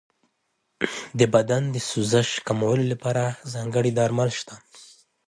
د بدن د سوزش کمولو لپاره ځانګړي درمل شته.